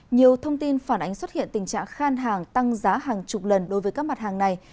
nhiều thông tin phản ánh xuất hiện tình trạng khan hàng tăng giá hàng chục lần đối với các mặt hàng này